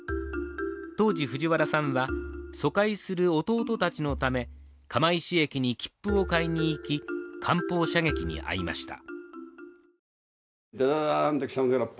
当時、藤原さんは疎開する弟たちのため、釜石駅に切符を買いに行き艦砲射撃に遭いました。